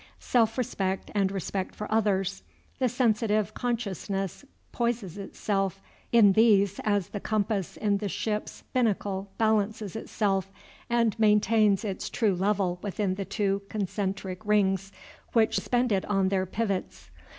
Self respect and respect for others, the sensitive consciousness poises itself in these as the compass in the ship's binnacle balances itself and maintains its true level within the two concentric rings which suspend it on their pivots.